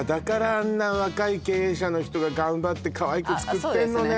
あんな若い経営者の人が頑張ってかわいく作ってんのね